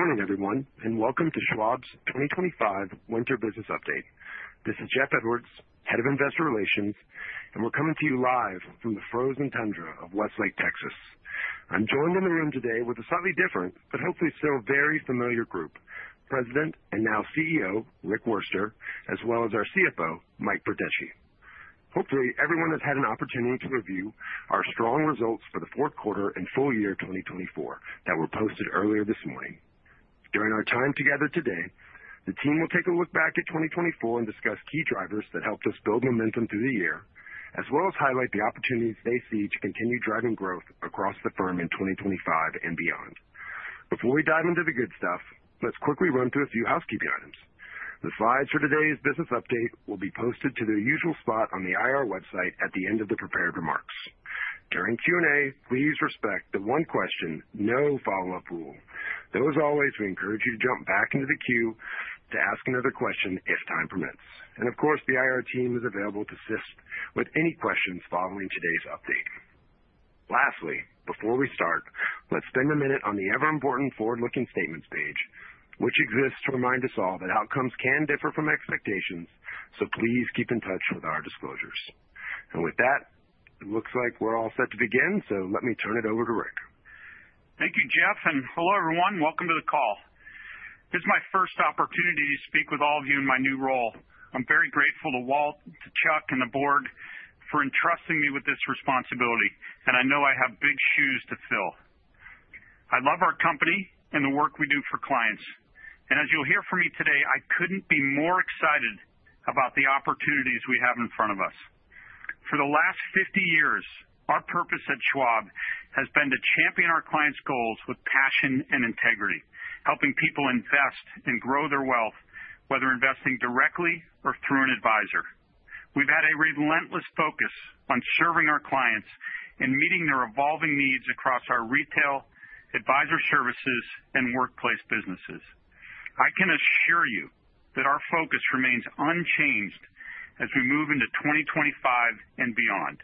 Morning, everyone, and welcome to Schwab's 2025 Winter Business Update. This is Jeff Edwards, Head of Investor Relations, and we're coming to you live from the frozen tundra of Westlake, Texas. I'm joined in the room today with a slightly different, but hopefully still very familiar group: President and now CEO, Rick Wurster, as well as our CFO, Mike Verdeschi. Hopefully, everyone has had an opportunity to review our strong results for the fourth quarter and full year 2024 that were posted earlier this morning. During our time together today, the team will take a look back at 2024 and discuss key drivers that helped us build momentum through the year, as well as highlight the opportunities they see to continue driving growth across the firm in 2025 and beyond. Before we dive into the good stuff, let's quickly run through a few housekeeping items. The slides for today's business update will be posted to their usual spot on the IR website at the end of the prepared remarks. During Q&A, please respect the one-question, no-follow-up rule. Though, as always, we encourage you to jump back into the queue to ask another question if time permits, and, of course, the IR team is available to assist with any questions following today's update. Lastly, before we start, let's spend a minute on the ever-important forward-looking statements page, which exists to remind us all that outcomes can differ from expectations, so please keep in touch with our disclosures, and with that, it looks like we're all set to begin, so let me turn it over to Rick. Thank you, Jeff, and hello, everyone. Welcome to the call. This is my first opportunity to speak with all of you in my new role. I'm very grateful to Walt, to Chuck, and the Board for entrusting me with this responsibility, and I know I have big shoes to fill. I love our company and the work we do for clients, and as you'll hear from me today, I couldn't be more excited about the opportunities we have in front of us. For the last 50 years, our purpose at Schwab has been to champion our clients' goals with passion and integrity, helping people invest and grow their wealth, whether investing directly or through an advisor. We've had a relentless focus on serving our clients and meeting their evolving needs across our Retail, Advisor Services, and Workplace businesses. I can assure you that our focus remains unchanged as we move into 2025 and beyond.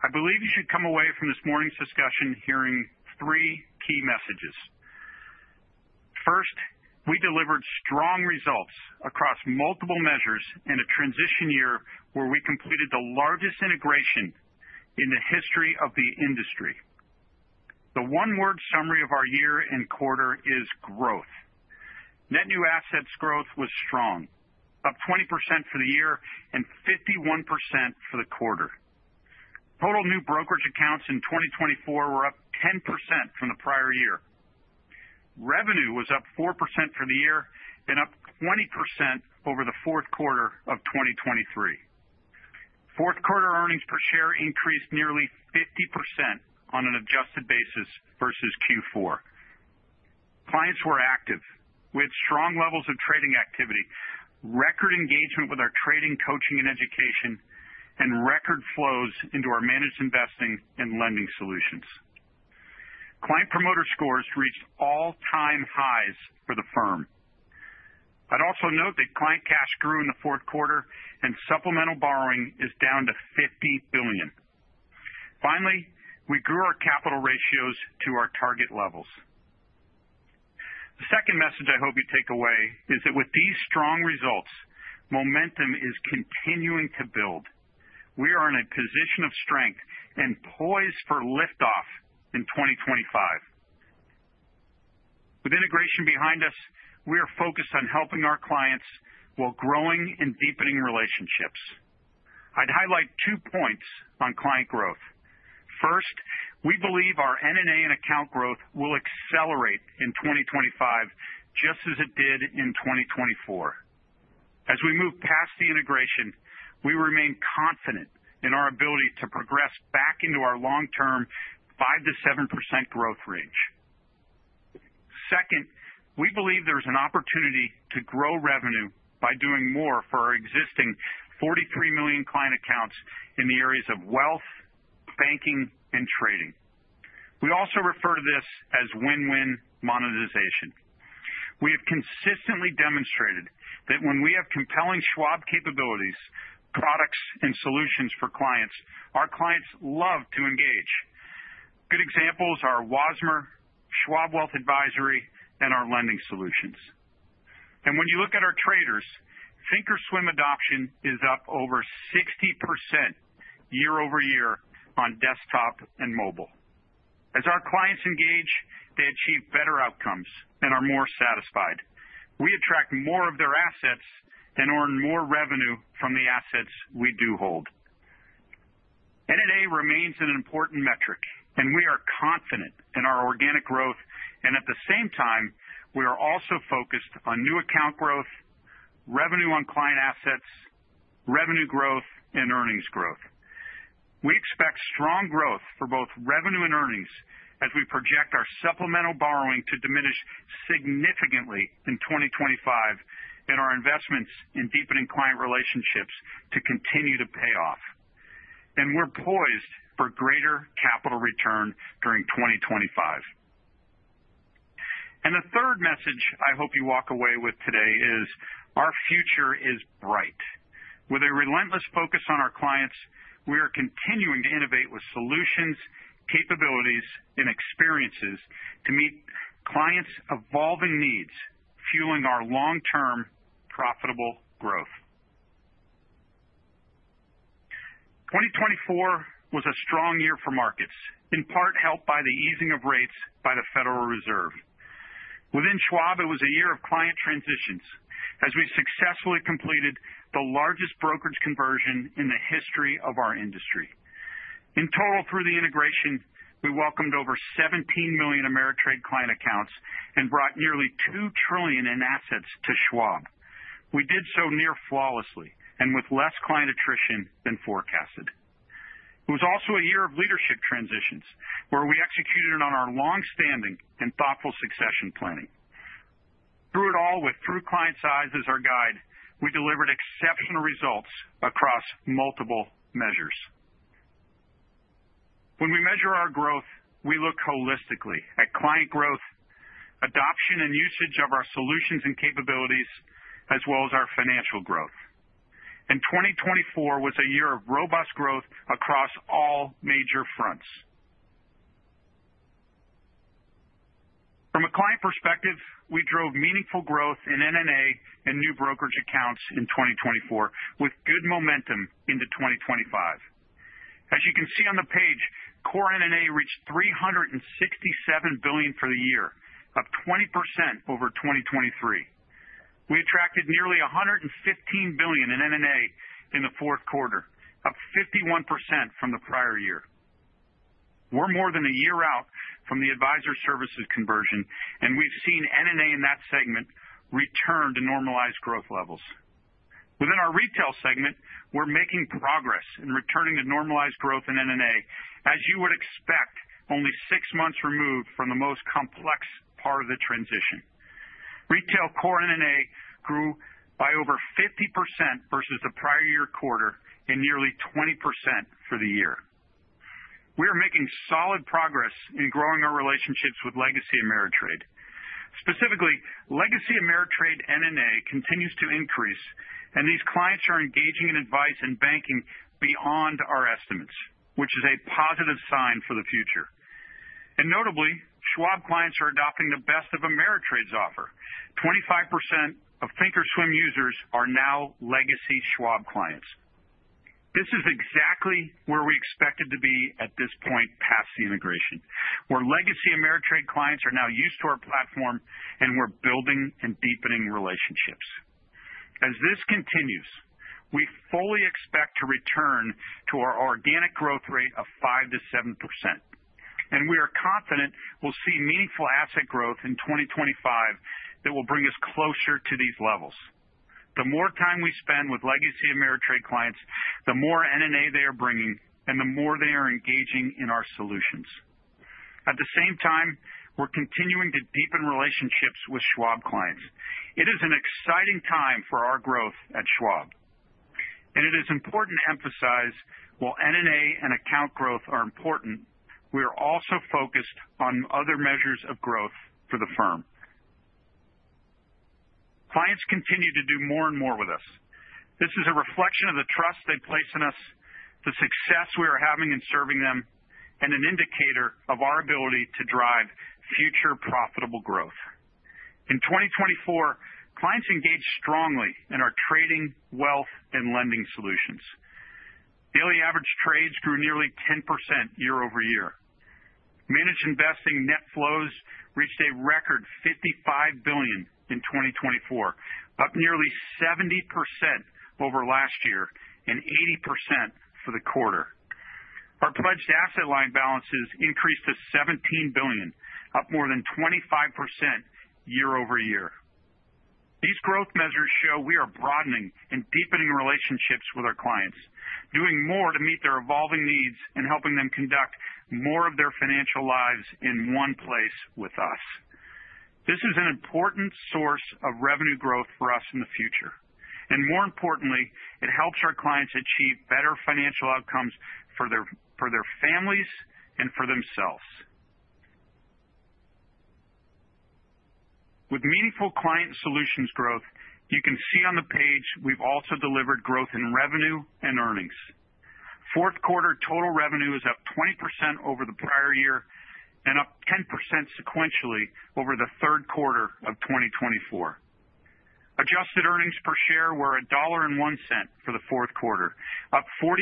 I believe you should come away from this morning's discussion hearing three key messages. First, we delivered strong results across multiple measures in a transition year where we completed the largest integration in the history of the industry. The one-word summary of our year and quarter is growth. Net new assets growth was strong, up 20% for the year and 51% for the quarter. Total new brokerage accounts in 2024 were up 10% from the prior year. Revenue was up 4% for the year and up 20% over the fourth quarter of 2023. Fourth quarter earnings per share increased nearly 50% on an adjusted basis versus Q4. Clients were active. We had strong levels of trading activity, record engagement with our trading, coaching, and education, and record flows into our managed investing and lending solutions. Client Promoter Scores reached all-time highs for the firm. I'd also note that client cash grew in the fourth quarter, and supplemental borrowing is down to $50 billion. Finally, we grew our capital ratios to our target levels. The second message I hope you take away is that with these strong results, momentum is continuing to build. We are in a position of strength and poised for liftoff in 2025. With integration behind us, we are focused on helping our clients while growing and deepening relationships. I'd highlight two points on client growth. First, we believe our NNA and account growth will accelerate in 2025 just as it did in 2024. As we move past the integration, we remain confident in our ability to progress back into our long-term 5%-7% growth range. Second, we believe there is an opportunity to grow revenue by doing more for our existing 43 million client accounts in the areas of wealth, banking, and trading. We also refer to this as win-win monetization. We have consistently demonstrated that when we have compelling Schwab capabilities, products, and solutions for clients, our clients love to engage. Good examples are Wasmer, Schwab Wealth Advisory, and our lending solutions. And when you look at our traders, thinkorswim adoption is up over 60% year over year on desktop and mobile. As our clients engage, they achieve better outcomes and are more satisfied. We attract more of their assets and earn more revenue from the assets we do hold. NNA remains an important metric, and we are confident in our organic growth, and at the same time, we are also focused on new account growth, revenue on client assets, revenue growth, and earnings growth. We expect strong growth for both revenue and earnings as we project our supplemental borrowing to diminish significantly in 2025, and our investments in deepening client relationships to continue to pay off, and we're poised for greater capital return during 2025, and the third message I hope you walk away with today is our future is bright. With a relentless focus on our clients, we are continuing to innovate with solutions, capabilities, and experiences to meet clients' evolving needs, fueling our long-term profitable growth. 2024 was a strong year for markets, in part helped by the easing of rates by the Federal Reserve. Within Schwab, it was a year of client transitions as we successfully completed the largest brokerage conversion in the history of our industry. In total, through the integration, we welcomed over 17 million Ameritrade client accounts and brought nearly $2 trillion in assets to Schwab. We did so near flawlessly and with less client attrition than forecasted. It was also a year of leadership transitions where we executed on our long-standing and thoughtful succession planning. Through it all, with Through Clients' Eyes as our guide, we delivered exceptional results across multiple measures. When we measure our growth, we look holistically at client growth, adoption and usage of our solutions and capabilities, as well as our financial growth. And 2024 was a year of robust growth across all major fronts. From a client perspective, we drove meaningful growth in NNA and new brokerage accounts in 2024, with good momentum into 2025. As you can see on the page, core NNA reached $367 billion for the year, up 20% over 2023. We attracted nearly $115 billion in NNA in the fourth quarter, up 51% from the prior year. We're more than a year out from the Advisor Services conversion, and we've seen NNA in that segment return to normalized growth levels. Within our retail segment, we're making progress in returning to normalized growth in NNA, as you would expect, only six months removed from the most complex part of the transition. Retail core NNA grew by over 50% versus the prior year quarter and nearly 20% for the year. We are making solid progress in growing our relationships with Legacy Ameritrade. Specifically, Legacy Ameritrade NNA continues to increase, and these clients are engaging in advice and banking beyond our estimates, which is a positive sign for the future. Notably, Schwab clients are adopting the best of Ameritrade's offer. 25% of thinkorswim users are now Legacy Schwab clients. This is exactly where we expected to be at this point past the integration, where Legacy Ameritrade clients are now used to our platform and we're building and deepening relationships. As this continues, we fully expect to return to our organic growth rate of 5%-7%, and we are confident we'll see meaningful asset growth in 2025 that will bring us closer to these levels. The more time we spend with Legacy Ameritrade clients, the more NNA they are bringing, and the more they are engaging in our solutions. At the same time, we're continuing to deepen relationships with Schwab clients. It is an exciting time for our growth at Schwab. It is important to emphasize, while NNA and account growth are important, we are also focused on other measures of growth for the firm. Clients continue to do more and more with us. This is a reflection of the trust they place in us, the success we are having in serving them, and an indicator of our ability to drive future profitable growth. In 2024, clients engaged strongly in our trading, wealth, and lending solutions. Daily average trades grew nearly 10% year over year. Managed investing net flows reached a record $55 billion in 2024, up nearly 70% over last year and 80% for the quarter. Our Pledged Asset Line balances increased to $17 billion, up more than 25% year over year. These growth measures show we are broadening and deepening relationships with our clients, doing more to meet their evolving needs and helping them conduct more of their financial lives in one place with us. This is an important source of revenue growth for us in the future, and more importantly, it helps our clients achieve better financial outcomes for their families and for themselves. With meaningful client solutions growth, you can see on the page we've also delivered growth in revenue and earnings. Fourth quarter total revenue is up 20% over the prior year and up 10% sequentially over the third quarter of 2024. Adjusted earnings per share were $1.01 for the fourth quarter, up 49%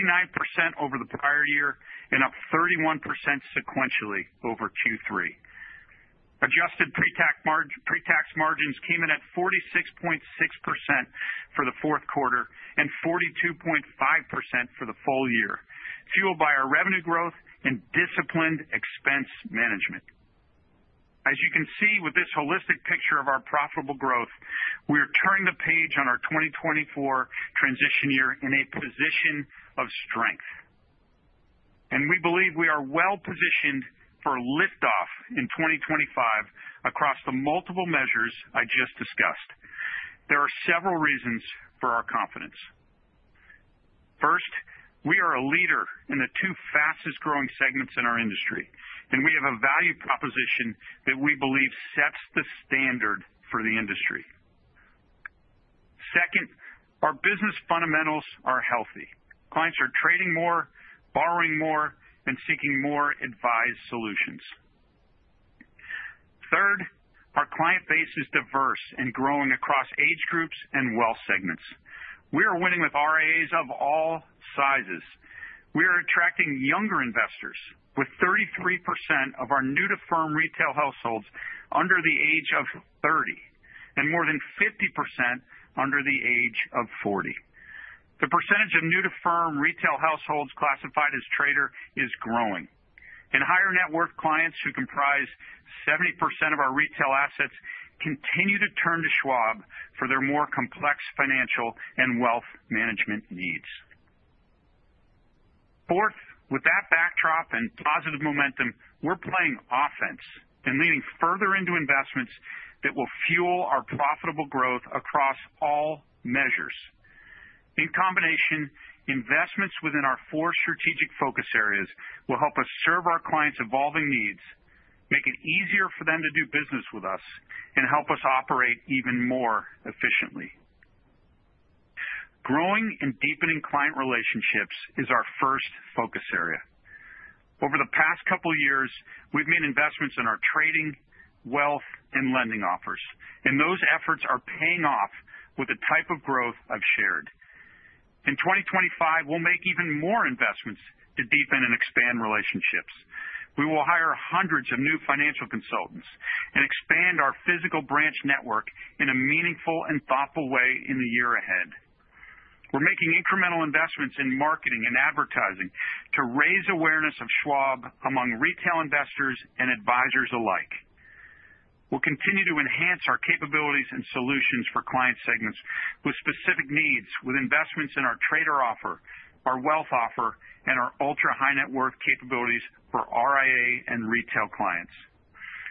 over the prior year and up 31% sequentially over Q3. Adjusted pre-tax margins came in at 46.6% for the fourth quarter and 42.5% for the full year, fueled by our revenue growth and disciplined expense management. As you can see with this holistic picture of our profitable growth, we are turning the page on our 2024 transition year in a position of strength. And we believe we are well positioned for liftoff in 2025 across the multiple measures I just discussed. There are several reasons for our confidence. First, we are a leader in the two fastest-growing segments in our industry, and we have a value proposition that we believe sets the standard for the industry. Second, our business fundamentals are healthy. Clients are trading more, borrowing more, and seeking more advised solutions. Third, our client base is diverse and growing across age groups and wealth segments. We are winning with RIAs of all sizes. We are attracting younger investors with 33% of our new-to-firm retail households under the age of 30 and more than 50% under the age of 40. The percentage of new-to-firm retail households classified as trader is growing, and higher-net-worth clients who comprise 70% of our retail assets continue to turn to Schwab for their more complex financial and wealth management needs. Fourth, with that backdrop and positive momentum, we're playing offense and leaning further into investments that will fuel our profitable growth across all measures. In combination, investments within our four strategic focus areas will help us serve our clients' evolving needs, make it easier for them to do business with us, and help us operate even more efficiently. Growing and deepening client relationships is our first focus area. Over the past couple of years, we've made investments in our trading, wealth, and lending offers. Those efforts are paying off with the type of growth I've shared. In 2025, we'll make even more investments to deepen and expand relationships. We will hire hundreds of new financial consultants and expand our physical branch network in a meaningful and thoughtful way in the year ahead. We're making incremental investments in marketing and advertising to raise awareness of Schwab among retail investors and advisors alike. We'll continue to enhance our capabilities and solutions for client segments with specific needs with investments in our trader offer, our wealth offer, and our ultra-high-net-worth capabilities for RIA and retail clients.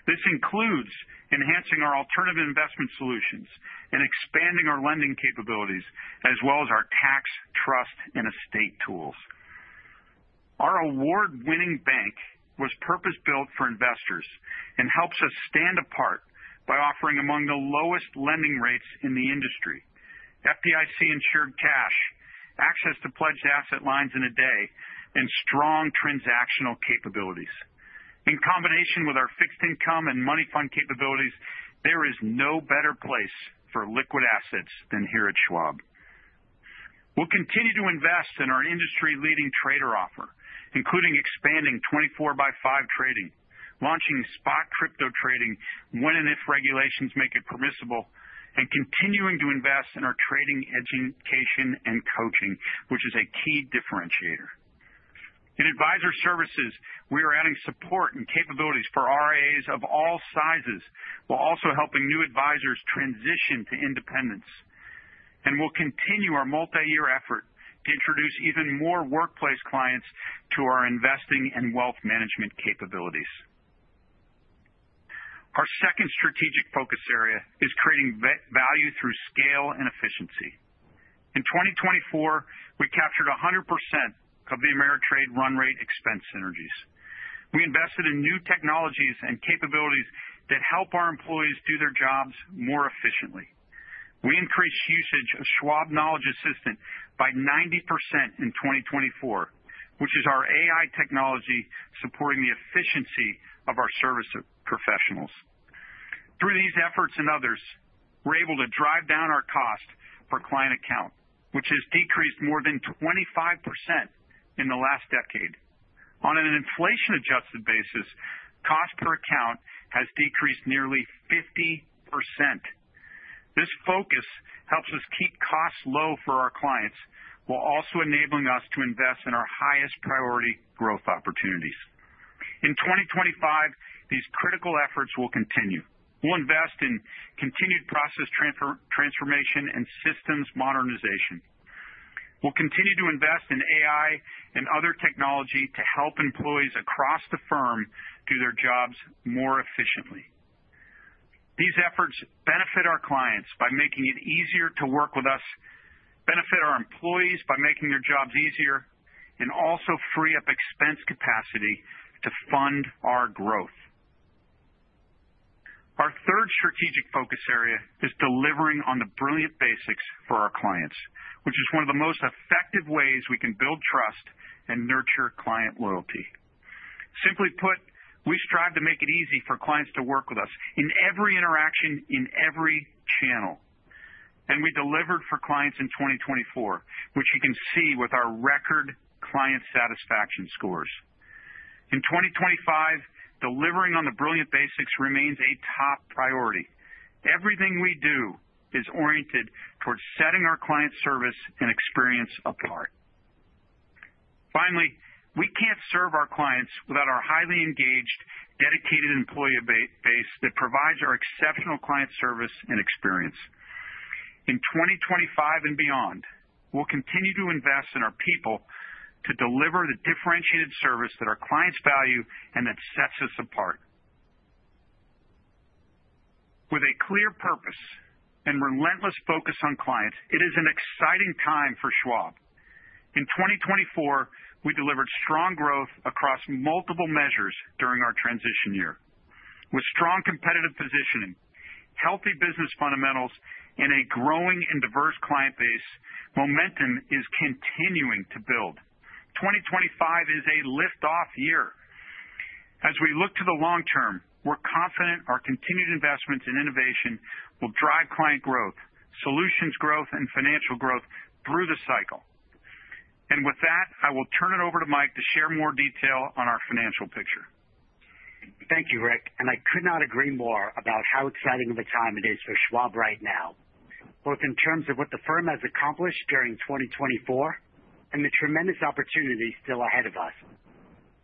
This includes enhancing our alternative investment solutions and expanding our lending capabilities, as well as our tax, trust, and estate tools. Our award-winning bank was purpose-built for investors and helps us stand apart by offering among the lowest lending rates in the industry: FDIC-insured cash, access to Pledged Asset Lines in a day, and strong transactional capabilities. In combination with our fixed income and money fund capabilities, there is no better place for liquid assets than here at Schwab. We'll continue to invest in our industry-leading trader offer, including expanding 24/5 trading, launching spot crypto trading when and if regulations make it permissible, and continuing to invest in our trading education and coaching, which is a key differentiator. In Advisor Services, we are adding support and capabilities for RIAs of all sizes while also helping new advisors transition to independence. And we'll continue our multi-year effort to introduce even more workplace clients to our investing and wealth management capabilities. Our second strategic focus area is creating value through scale and efficiency. In 2024, we captured 100% of the Ameritrade run rate expense synergies. We invested in new technologies and capabilities that help our employees do their jobs more efficiently. We increased usage of Schwab Knowledge Assistant by 90% in 2024, which is our AI technology supporting the efficiency of our service professionals. Through these efforts and others, we're able to drive down our cost per client account, which has decreased more than 25% in the last decade. On an inflation-adjusted basis, cost per account has decreased nearly 50%. This focus helps us keep costs low for our clients while also enabling us to invest in our highest priority growth opportunities. In 2025, these critical efforts will continue. We'll invest in continued process transformation and systems modernization. We'll continue to invest in AI and other technology to help employees across the firm do their jobs more efficiently. These efforts benefit our clients by making it easier to work with us, benefit our employees by making their jobs easier, and also free up expense capacity to fund our growth. Our third strategic focus area is delivering on the brilliant basics for our clients, which is one of the most effective ways we can build trust and nurture client loyalty. Simply put, we strive to make it easy for clients to work with us in every interaction, in every channel, and we delivered for clients in 2024, which you can see with our record client satisfaction scores. In 2025, delivering on the brilliant basics remains a top priority. Everything we do is oriented towards setting our client service and experience apart. Finally, we can't serve our clients without our highly engaged, dedicated employee base that provides our exceptional client service and experience. In 2025 and beyond, we'll continue to invest in our people to deliver the differentiated service that our clients value and that sets us apart. With a clear purpose and relentless focus on clients, it is an exciting time for Schwab. In 2024, we delivered strong growth across multiple measures during our transition year. With strong competitive positioning, healthy business fundamentals, and a growing and diverse client base, momentum is continuing to build. 2025 is a liftoff year. As we look to the long term, we're confident our continued investments in innovation will drive client growth, solutions growth, and financial growth through the cycle. And with that, I will turn it over to Mike to share more detail on our financial picture. Thank you, Rick. I could not agree more about how exciting of a time it is for Schwab right now, both in terms of what the firm has accomplished during 2024 and the tremendous opportunities still ahead of us.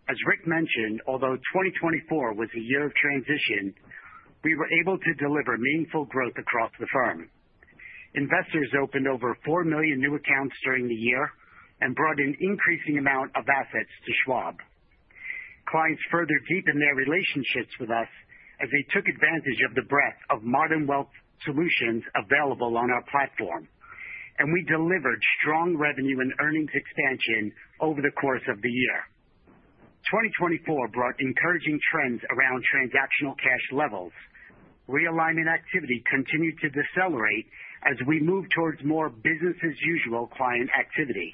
As Rick mentioned, although 2024 was a year of transition, we were able to deliver meaningful growth across the firm. Investors opened over 4 million new accounts during the year and brought an increasing amount of assets to Schwab. Clients further deepened their relationships with us as they took advantage of the breadth of modern wealth solutions available on our platform. We delivered strong revenue and earnings expansion over the course of the year. 2024 brought encouraging trends around transactional cash levels. Realignment activity continued to decelerate as we moved towards more business-as-usual client activity.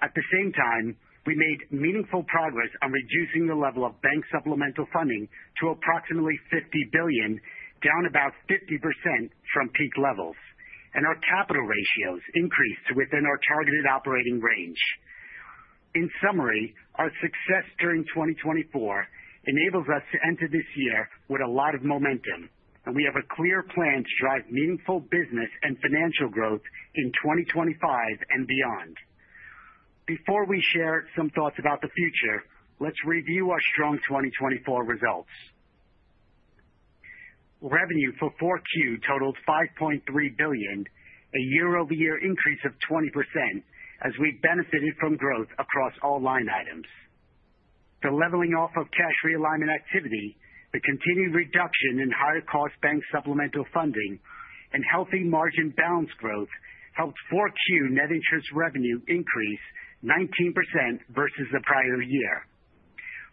At the same time, we made meaningful progress on reducing the level of bank supplemental funding to approximately $50 billion, down about 50% from peak levels, and our capital ratios increased within our targeted operating range. In summary, our success during 2024 enables us to enter this year with a lot of momentum, and we have a clear plan to drive meaningful business and financial growth in 2025 and beyond. Before we share some thoughts about the future, let's review our strong 2024 results. Revenue for 4Q totaled $5.3 billion, a year-over-year increase of 20%, as we benefited from growth across all line items. The leveling off of cash realignment activity, the continued reduction in higher-cost bank supplemental funding, and healthy margin balance growth helped 4Q net interest revenue increase 19% versus the prior year.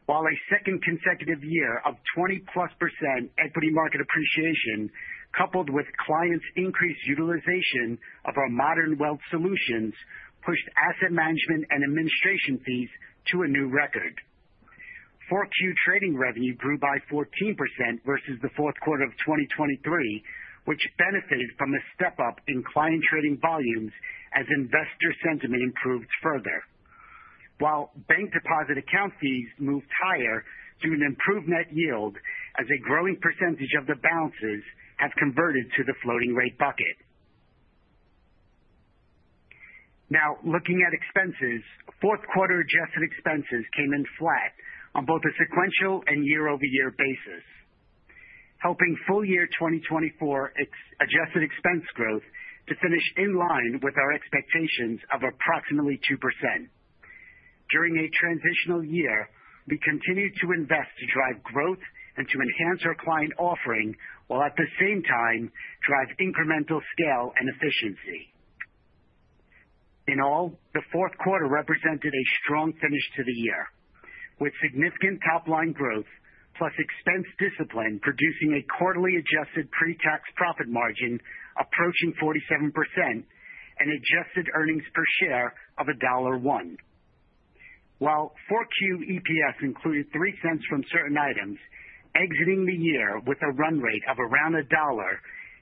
While a second consecutive year of 20%+ equity market appreciation, coupled with clients' increased utilization of our modern wealth solutions, pushed asset management and administration fees to a new record. 4Q trading revenue grew by 14% versus the fourth quarter of 2023, which benefited from a step-up in client trading volumes as investor sentiment improved further. While Bank Deposit Account fees moved higher due to improved net yield as a growing percentage of the balances have converted to the floating-rate bucket. Now, looking at expenses, fourth-quarter adjusted expenses came in flat on both a sequential and year-over-year basis, helping full-year 2024 adjusted expense growth to finish in line with our expectations of approximately 2%. During a transitional year, we continued to invest to drive growth and to enhance our client offering while at the same time drive incremental scale and efficiency. In all, the fourth quarter represented a strong finish to the year, with significant top-line growth, plus expense discipline producing a quarterly adjusted pre-tax profit margin approaching 47% and adjusted earnings per share of $1.01. While 4Q EPS included $0.03 from certain items, exiting the year with a run rate of around $1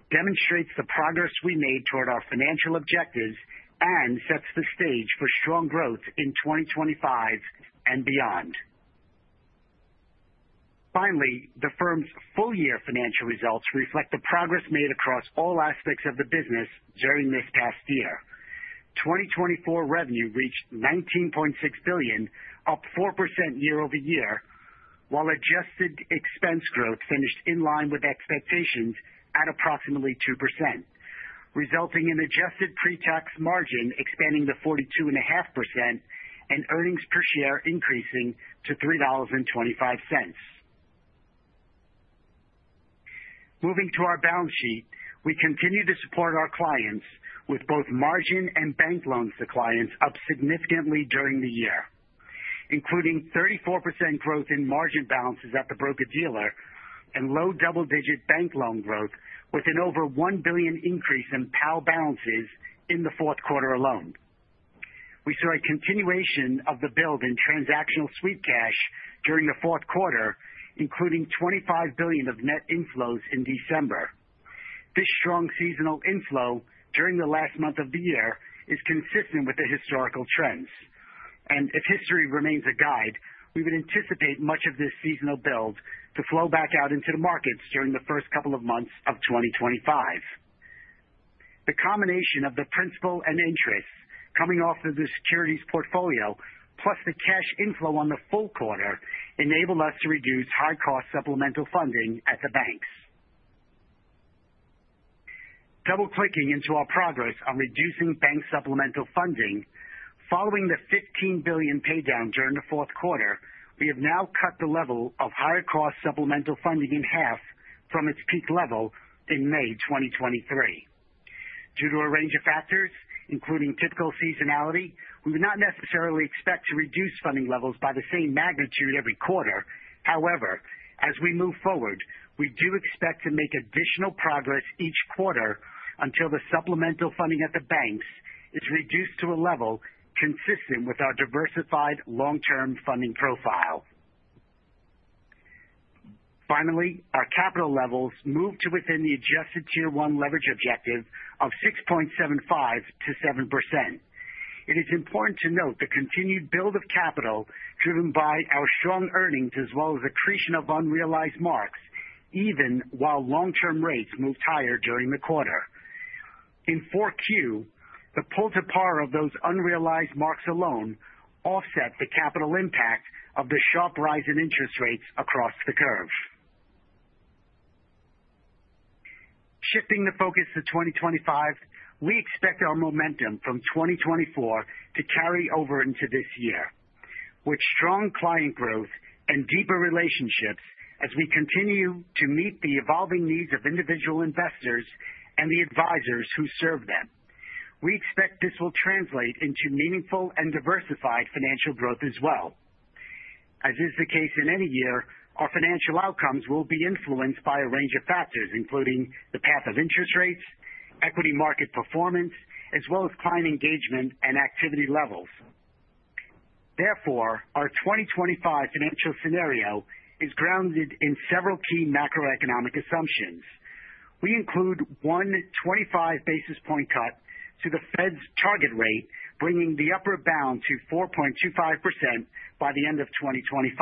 demonstrates the progress we made toward our financial objectives and sets the stage for strong growth in 2025 and beyond. Finally, the firm's full-year financial results reflect the progress made across all aspects of the business during this past year. 2024 revenue reached $19.6 billion, up 4% year-over-year, while adjusted expense growth finished in line with expectations at approximately 2%, resulting in adjusted pre-tax margin expanding to 42.5% and earnings per share increasing to $3.25. Moving to our balance sheet, we continue to support our clients with both margin and bank loans to clients up significantly during the year, including 34% growth in margin balances at the broker-dealer and low double-digit bank loan growth with an over $1 billion increase in PAL balances in the fourth quarter alone. We saw a continuation of the build in transactional sweep cash during the fourth quarter, including $25 billion of net inflows in December. This strong seasonal inflow during the last month of the year is consistent with the historical trends, and if history remains a guide, we would anticipate much of this seasonal build to flow back out into the markets during the first couple of months of 2025. The combination of the principal and interest coming off of the securities portfolio, plus the cash inflow on the full quarter, enabled us to reduce high-cost supplemental funding at the banks. Double-clicking into our progress on reducing bank supplemental funding, following the $15 billion paydown during the fourth quarter, we have now cut the level of higher-cost supplemental funding in half from its peak level in May 2023. Due to a range of factors, including typical seasonality, we would not necessarily expect to reduce funding levels by the same magnitude every quarter. However, as we move forward, we do expect to make additional progress each quarter until the supplemental funding at the banks is reduced to a level consistent with our diversified long-term funding profile. Finally, our capital levels moved to within the adjusted Tier 1 leverage objective of 6.75%-7%. It is important to note the continued build of capital driven by our strong earnings as well as the creation of unrealized marks, even while long-term rates moved higher during the quarter. In 4Q, the pull-to-par of those unrealized marks alone offsets the capital impact of the sharp rise in interest rates across the curve. Shifting the focus to 2025, we expect our momentum from 2024 to carry over into this year, with strong client growth and deeper relationships as we continue to meet the evolving needs of individual investors and the advisors who serve them. We expect this will translate into meaningful and diversified financial growth as well. As is the case in any year, our financial outcomes will be influenced by a range of factors, including the path of interest rates, equity market performance, as well as client engagement and activity levels. Therefore, our 2025 financial scenario is grounded in several key macroeconomic assumptions. We include one 25 basis point cut to the Fed's target rate, bringing the upper bound to 4.25% by the end of 2025,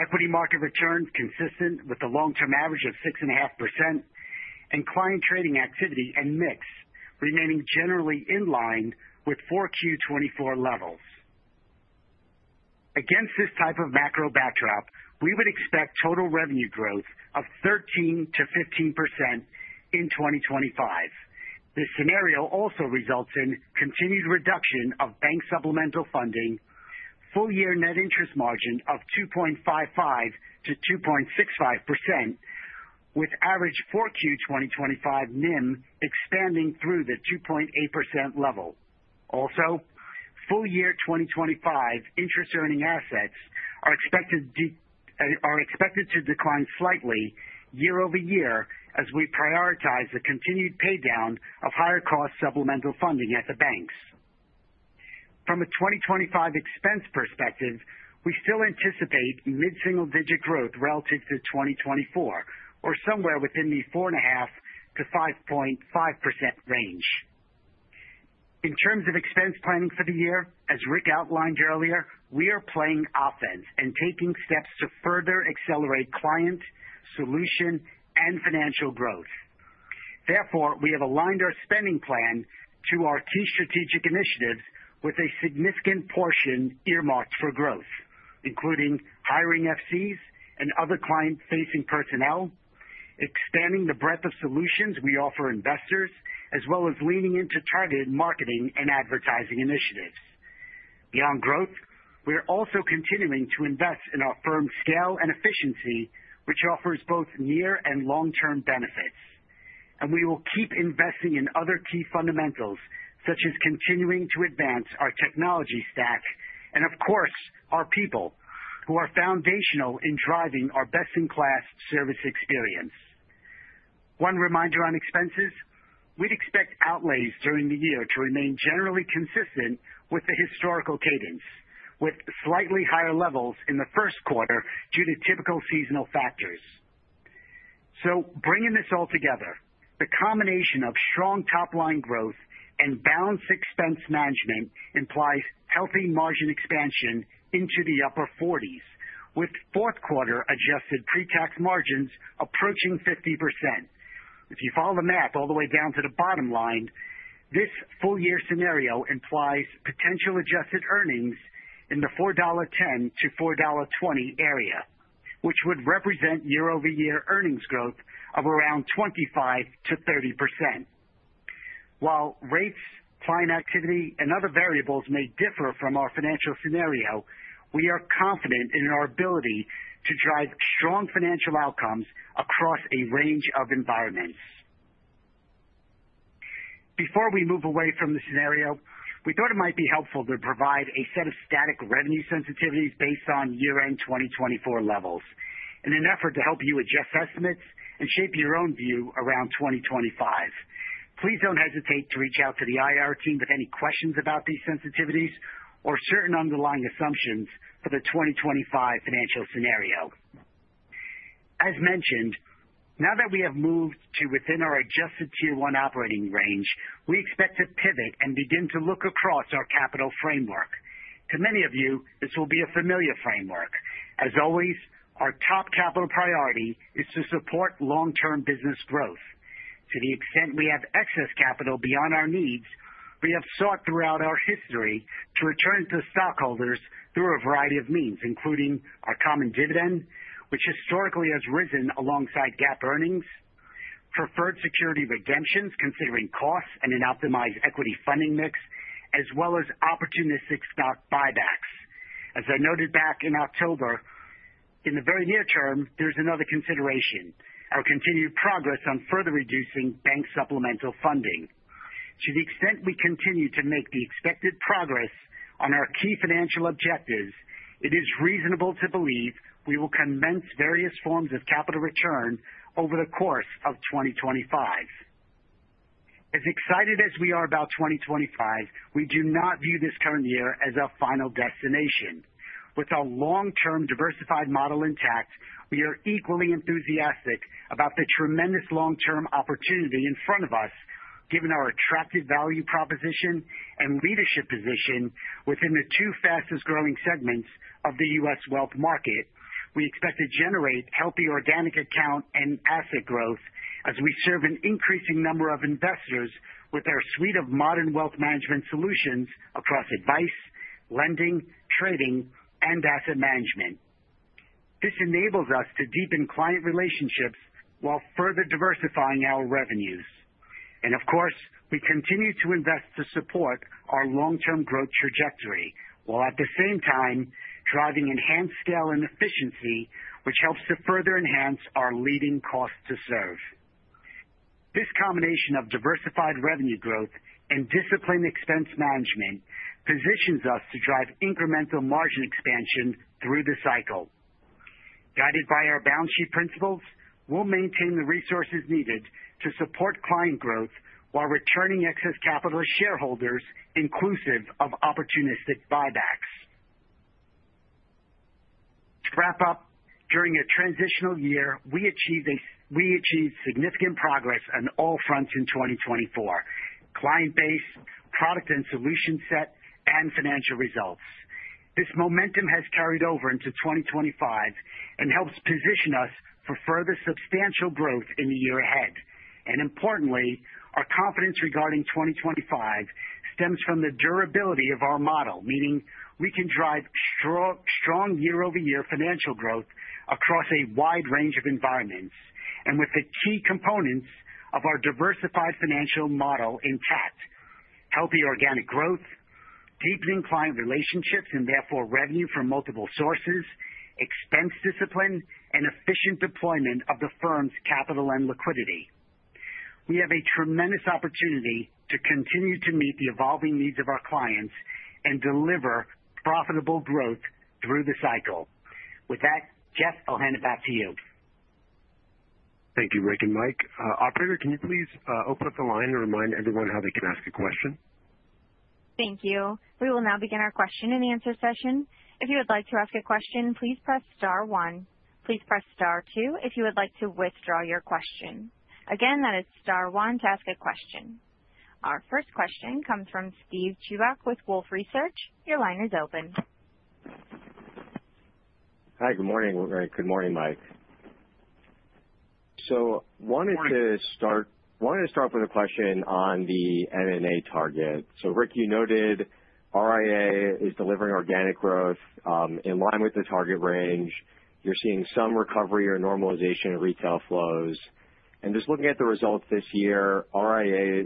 equity market returns consistent with the long-term average of 6.5%, and client trading activity and mix remaining generally in line with 4Q 2024 levels. Against this type of macro backdrop, we would expect total revenue growth of 13%-15% in 2025. This scenario also results in continued reduction of bank supplemental funding, full-year net interest margin of 2.55%-2.65%, with average 4Q 2025 NIM expanding through the 2.8% level. Also, full-year 2025 interest-earning assets are expected to decline slightly year-over-year as we prioritize the continued paydown of higher-cost supplemental funding at the banks. From a 2025 expense perspective, we still anticipate mid-single-digit growth relative to 2024, or somewhere within the 4.5%-5.5% range. In terms of expense planning for the year, as Rick outlined earlier, we are playing offense and taking steps to further accelerate client, solution, and financial growth. Therefore, we have aligned our spending plan to our key strategic initiatives with a significant portion earmarked for growth, including hiring FCs and other client-facing personnel, expanding the breadth of solutions we offer investors, as well as leaning into targeted marketing and advertising initiatives. Beyond growth, we are also continuing to invest in our firm's scale and efficiency, which offers both near and long-term benefits, and we will keep investing in other key fundamentals, such as continuing to advance our technology stack and, of course, our people, who are foundational in driving our best-in-class service experience. One reminder on expenses: we'd expect outlays during the year to remain generally consistent with the historical cadence, with slightly higher levels in the first quarter due to typical seasonal factors. So, bringing this all together, the combination of strong top-line growth and balanced expense management implies healthy margin expansion into the upper 40s, with fourth-quarter adjusted pre-tax margins approaching 50%. If you follow the map all the way down to the bottom line, this full-year scenario implies potential adjusted earnings in the $4.10-$4.20 area, which would represent year-over-year earnings growth of around 25%-30%. While rates, client activity, and other variables may differ from our financial scenario, we are confident in our ability to drive strong financial outcomes across a range of environments. Before we move away from the scenario, we thought it might be helpful to provide a set of static revenue sensitivities based on year-end 2024 levels in an effort to help you adjust estimates and shape your own view around 2025. Please don't hesitate to reach out to the IR team with any questions about these sensitivities or certain underlying assumptions for the 2025 financial scenario. As mentioned, now that we have moved to within our adjusted Tier 1 operating range, we expect to pivot and begin to look across our capital framework. To many of you, this will be a familiar framework. As always, our top capital priority is to support long-term business growth. To the extent we have excess capital beyond our needs, we have sought throughout our history to return to stockholders through a variety of means, including our common dividend, which historically has risen alongside GAAP earnings, preferred security redemptions considering costs and an optimized equity funding mix, as well as opportunistic stock buybacks. As I noted back in October, in the very near term, there's another consideration: our continued progress on further reducing bank supplemental funding. To the extent we continue to make the expected progress on our key financial objectives, it is reasonable to believe we will commence various forms of capital return over the course of 2025. As excited as we are about 2025, we do not view this current year as a final destination. With our long-term diversified model intact, we are equally enthusiastic about the tremendous long-term opportunity in front of us, given our attractive value proposition and leadership position within the two fastest-growing segments of the U.S. wealth market. We expect to generate healthy organic account and asset growth as we serve an increasing number of investors with our suite of modern wealth management solutions across advice, lending, trading, and asset management. This enables us to deepen client relationships while further diversifying our revenues, and of course we continue to invest to support our long-term growth trajectory while at the same time driving enhanced scale and efficiency, which helps to further enhance our leading costs to serve. This combination of diversified revenue growth and disciplined expense management positions us to drive incremental margin expansion through the cycle. Guided by our balance sheet principles, we'll maintain the resources needed to support client growth while returning excess capital to shareholders, inclusive of opportunistic buybacks. To wrap up, during a transitional year, we achieved significant progress on all fronts in 2024: client base, product and solution set, and financial results. This momentum has carried over into 2025 and helps position us for further substantial growth in the year ahead, and importantly, our confidence regarding 2025 stems from the durability of our model, meaning we can drive strong year-over-year financial growth across a wide range of environments and with the key components of our diversified financial model intact: healthy organic growth, deepening client relationships and therefore revenue from multiple sources, expense discipline, and efficient deployment of the firm's capital and liquidity. We have a tremendous opportunity to continue to meet the evolving needs of our clients and deliver profitable growth through the cycle. With that, Jeff, I'll hand it back to you. Thank you, Rick and Mike. Operator, can you please open up the line and remind everyone how they can ask a question? Thank you. We will now begin our question-and-answer session. If you would like to ask a question, please press star one. Please press star two if you would like to withdraw your question. Again, that is star one to ask a question. Our first question comes from Steve Chubak with Wolfe Research. Your line is open. Hi, good morning. Good morning, Mike. So wanted to start with a question on the NNA target. So, Rick, you noted RIA is delivering organic growth in line with the target range. You're seeing some recovery or normalization of retail flows. Just looking at the results this year, RIA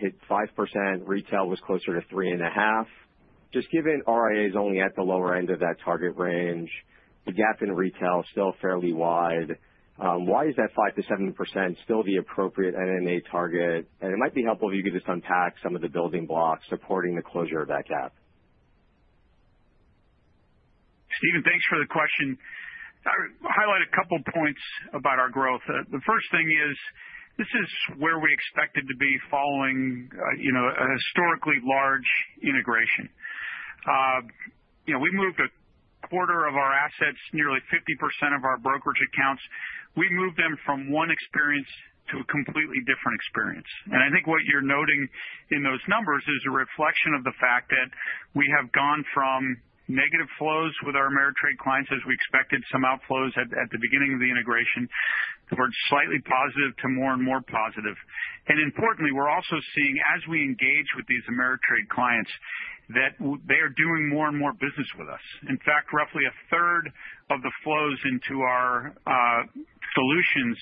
hit 5%. Retail was closer to 3.5%. Just given RIA is only at the lower end of that target range, the gap in retail is still fairly wide. Why is that 5%-7% still the appropriate NNA target? It might be helpful if you could just unpack some of the building blocks supporting the closure of that gap. Steven, thanks for the question. I highlight a couple of points about our growth. The first thing is this is where we expected to be following a historically large integration. We moved a quarter of our assets, nearly 50% of our brokerage accounts. We moved them from one experience to a completely different experience. And I think what you're noting in those numbers is a reflection of the fact that we have gone from negative flows with our Ameritrade clients, as we expected some outflows at the beginning of the integration, towards slightly positive to more and more positive. And importantly, we're also seeing, as we engage with these Ameritrade clients, that they are doing more and more business with us. In fact, roughly a third of the flows into our solutions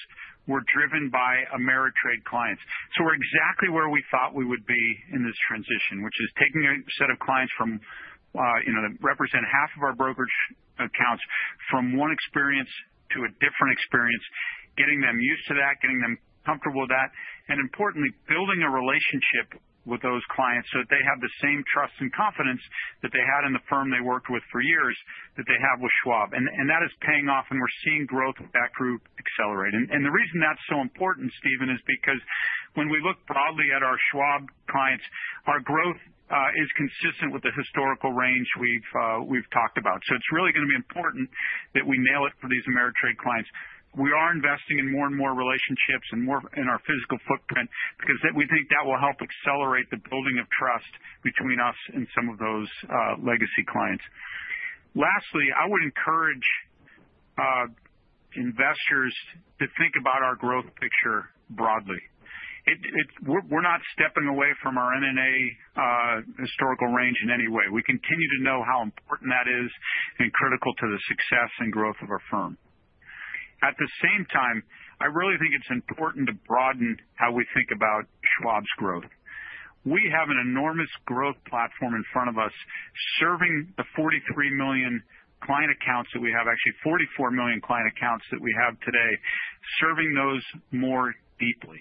were driven by Ameritrade clients. So we're exactly where we thought we would be in this transition, which is taking a set of clients that represent half of our brokerage accounts from one experience to a different experience, getting them used to that, getting them comfortable with that, and importantly, building a relationship with those clients so that they have the same trust and confidence that they had in the firm they worked with for years that they have with Schwab. And that is paying off, and we're seeing growth with that group accelerate. And the reason that's so important, Stephen, is because when we look broadly at our Schwab clients, our growth is consistent with the historical range we've talked about. So it's really going to be important that we nail it for these Ameritrade clients. We are investing in more and more relationships and more in our physical footprint because we think that will help accelerate the building of trust between us and some of those legacy clients. Lastly, I would encourage investors to think about our growth picture broadly. We're not stepping away from our NNA historical range in any way. We continue to know how important that is and critical to the success and growth of our firm. At the same time, I really think it's important to broaden how we think about Schwab's growth. We have an enormous growth platform in front of us, serving the 43 million client accounts that we have, actually 44 million client accounts that we have today, serving those more deeply.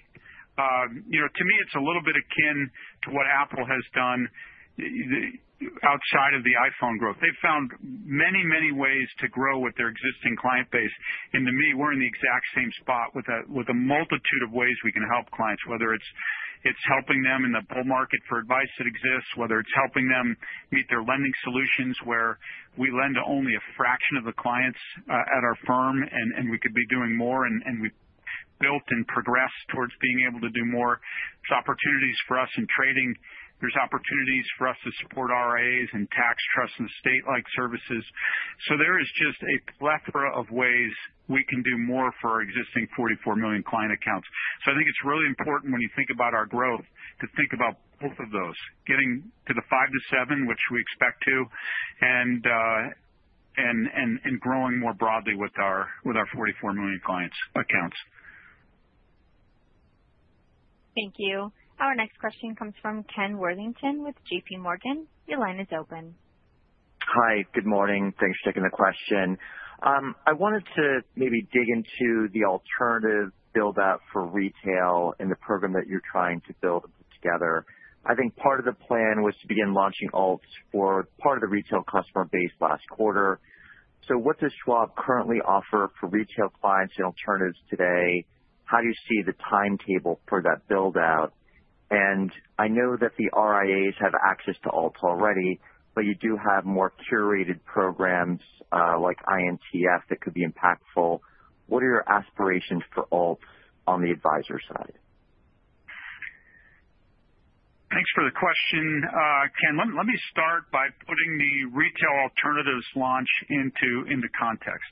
To me, it's a little bit akin to what Apple has done outside of the iPhone growth. They've found many, many ways to grow with their existing client base. And to me, we're in the exact same spot with a multitude of ways we can help clients, whether it's helping them in the bull market for advice that exists, whether it's helping them meet their lending solutions where we lend to only a fraction of the clients at our firm, and we could be doing more, and we've built and progressed towards being able to do more. There's opportunities for us in trading. There's opportunities for us to support RIAs and tax trusts and estate-like services. So there is just a plethora of ways we can do more for our existing 44 million client accounts. So I think it's really important when you think about our growth to think about both of those, getting to the five to seven, which we expect to, and growing more broadly with our 44 million clients' accounts. Thank you. Our next question comes from Ken Worthington with JPMorgan. Your line is open. Hi, good morning. Thanks for taking the question. I wanted to maybe dig into the alternative build-out for retail in the program that you're trying to build together. I think part of the plan was to begin launching alts for part of the retail customer base last quarter. So what does Schwab currently offer for retail clients and alternatives today? How do you see the timetable for that build-out? And I know that the RIAs have access to alts already, but you do have more curated programs like NTF that could be impactful. What are your aspirations for alts on the advisor side? Thanks for the question, Ken. Let me start by putting the retail alternatives launch into context.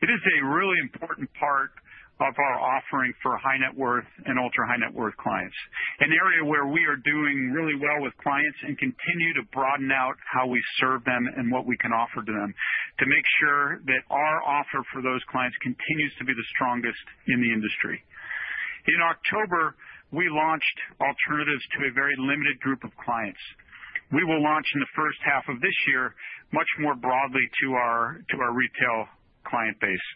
It is a really important part of our offering for high-net-worth and ultra-high-net-worth clients, an area where we are doing really well with clients and continue to broaden out how we serve them and what we can offer to them to make sure that our offer for those clients continues to be the strongest in the industry. In October, we launched alternatives to a very limited group of clients. We will launch in the first half of this year much more broadly to our retail client base.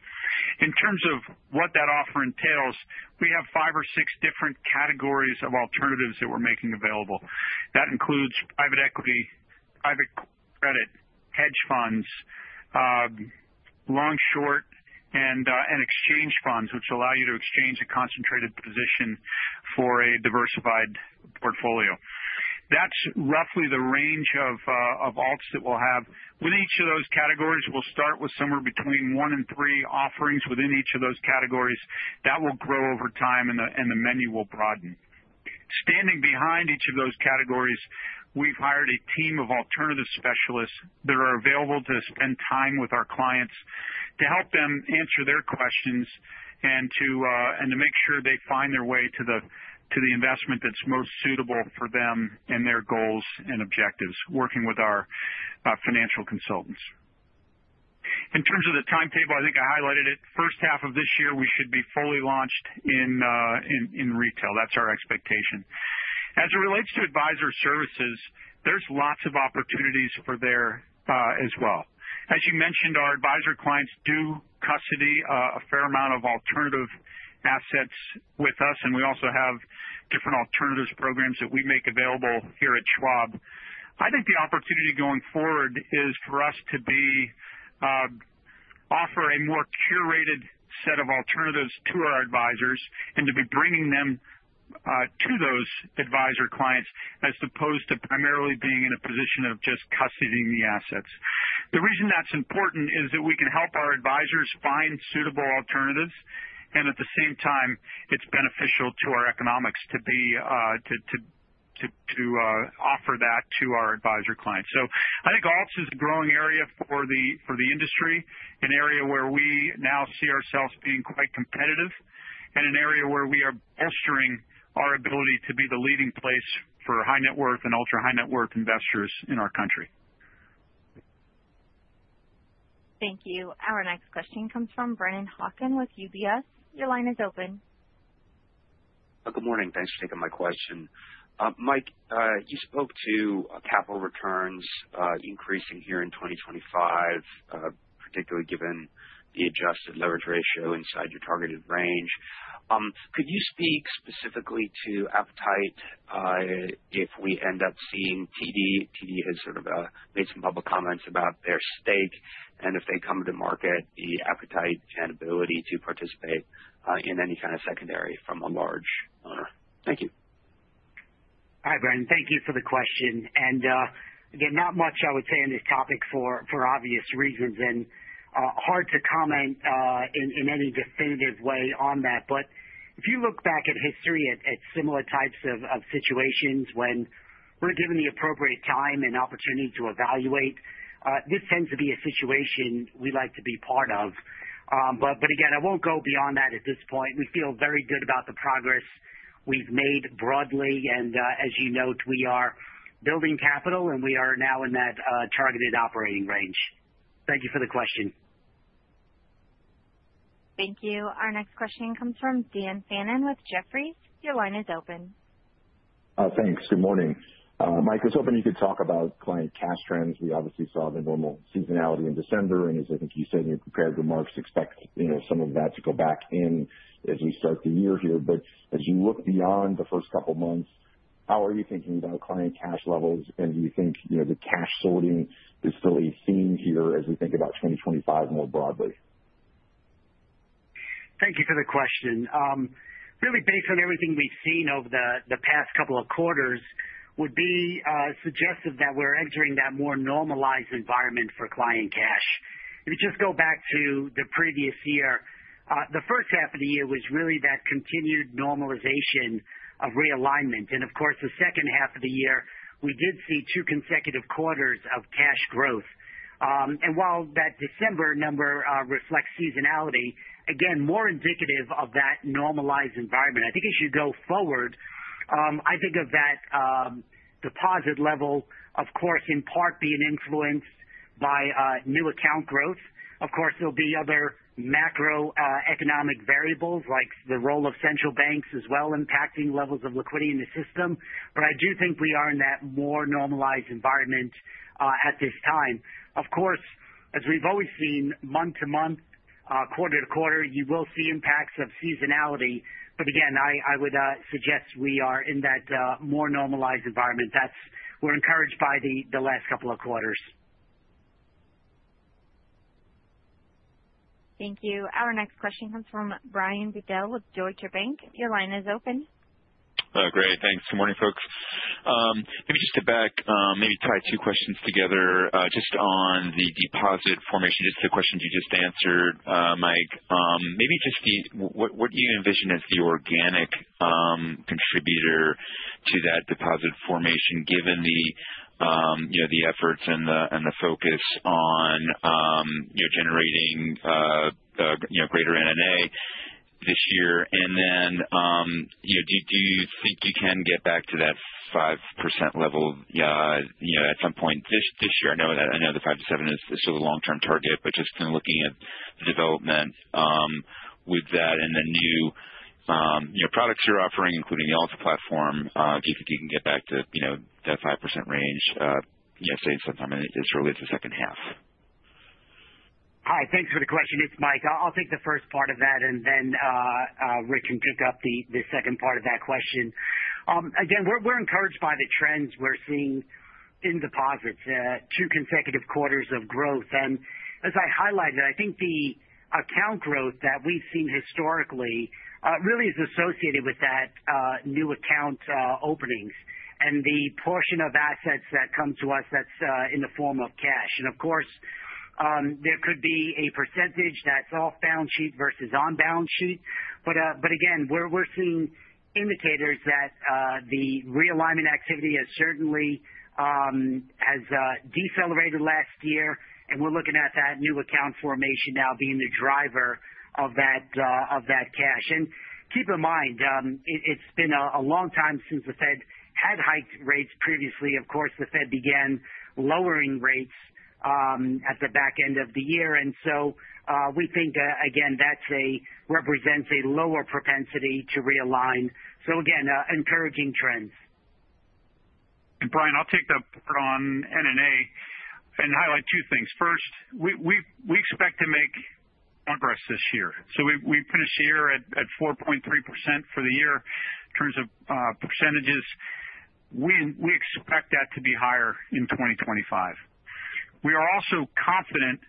In terms of what that offer entails, we have five or six different categories of alternatives that we're making available. That includes private equity, private credit, hedge funds, long-short, and exchange funds, which allow you to exchange a concentrated position for a diversified portfolio. That's roughly the range of alts that we'll have. Within each of those categories, we'll start with somewhere between one and three offerings within each of those categories. That will grow over time, and the menu will broaden. Standing behind each of those categories, we've hired a team of alternative specialists that are available to spend time with our clients to help them answer their questions and to make sure they find their way to the investment that's most suitable for them and their goals and objectives, working with our financial consultants. In terms of the timetable, I think I highlighted it. First half of this year, we should be fully launched in retail. That's our expectation. As it relates to Advisor Services, there's lots of opportunities for there as well. As you mentioned, our advisor clients do custody a fair amount of alternative assets with us, and we also have different alternatives programs that we make available here at Schwab. I think the opportunity going forward is for us to offer a more curated set of alternatives to our advisors and to be bringing them to those advisor clients as opposed to primarily being in a position of just custodying the assets. The reason that's important is that we can help our advisors find suitable alternatives, and at the same time, it's beneficial to our economics to offer that to our advisor clients. So I think alts is a growing area for the industry, an area where we now see ourselves being quite competitive, and an area where we are bolstering our ability to be the leading place for high-net-worth and ultra-high-net-worth investors in our country. Thank you. Our next question comes from Brennan Hawken with UBS. Your line is open. Good morning. Thanks for taking my question. Mike, you spoke to capital returns increasing here in 2025, particularly given the adjusted leverage ratio inside your targeted range. Could you speak specifically to appetite if we end up seeing TD? TD has sort of made some public comments about their stake, and if they come to market, the appetite and ability to participate in any kind of secondary from a large owner. Thank you. Hi, Brennan. Thank you for the question. Again, not much I would say on this topic for obvious reasons, and hard to comment in any definitive way on that. But if you look back at history at similar types of situations when we're given the appropriate time and opportunity to evaluate, this tends to be a situation we like to be part of. But again, I won't go beyond that at this point. We feel very good about the progress we've made broadly, and as you note, we are building capital, and we are now in that targeted operating range. Thank you for the question. Thank you. Our next question comes from Dan Fannon with Jefferies. Your line is open. Thanks. Good morning. Mike, it's open to you to talk about client cash trends. We obviously saw the normal seasonality in December, and as I think you said in your prepared remarks, expect some of that to go back in as we start the year here. But as you look beyond the first couple of months, how are you thinking about client cash levels, and do you think the cash sorting is still a theme here as we think about 2025 more broadly? Thank you for the question. Really, based on everything we've seen over the past couple of quarters, it would be suggestive that we're entering that more normalized environment for client cash. If you just go back to the previous year, the first half of the year was really that continued normalization of realignment. And of course, the second half of the year, we did see two consecutive quarters of cash growth. And while that December number reflects seasonality, again, more indicative of that normalized environment. I think as you go forward, I think of that deposit level, of course, in part being influenced by new account growth. Of course, there'll be other macroeconomic variables like the role of central banks as well impacting levels of liquidity in the system. But I do think we are in that more normalized environment at this time. Of course, as we've always seen, month to month, quarter to quarter, you will see impacts of seasonality. But again, I would suggest we are in that more normalized environment that we're encouraged by the last couple of quarters. Thank you. Our next question comes from Brian Bedell with Deutsche Bank. Your line is open. Great. Thanks. Good morning, folks. Maybe just to back, maybe tie two questions together just on the deposit formation, just the questions you just answered, Mike. Maybe just what do you envision as the organic contributor to that deposit formation given the efforts and the focus on generating greater NNA this year? And then do you think you can get back to that 5% level at some point this year? I know that the 5%-7% is still the long-term target, but just looking at the development with that and the new products you're offering, including the alts platform, do you think you can get back to that 5% range, say, sometime in this early to second half? Hi, thanks for the question. It's Mike. I'll take the first part of that, and then Rick can pick up the second part of that question. Again, we're encouraged by the trends we're seeing in deposits, two consecutive quarters of growth. And as I highlighted, I think the account growth that we've seen historically really is associated with that new account openings and the portion of assets that come to us that's in the form of cash. And of course, there could be a percentage that's off-balance sheet versus on-balance sheet. But again, we're seeing indicators that the realignment activity has certainly decelerated last year, and we're looking at that new account formation now being the driver of that cash. And keep in mind, it's been a long time since the Fed had hiked rates previously. Of course, the Fed began lowering rates at the back end of the year. And so we think, again, that represents a lower propensity to realign. So again, encouraging trends. Brian, I'll take the part on NNA and highlight two things. First, we expect to make progress this year. So we finished the year at 4.3% for the year in terms of percentages. We expect that to be higher in 2025. We are also confident